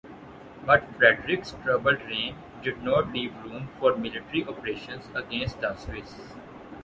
But Frederick's troubled reign did not leave room for military operations against the Swiss.